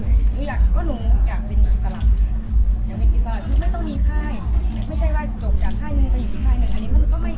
หนูอยากหนูอยากเป็นอิสระอยากเป็นอิสระที่ไม่ต้องมีค่าย